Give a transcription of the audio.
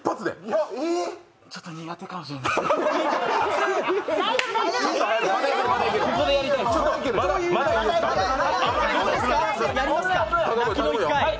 ちょっと苦手かもしれない。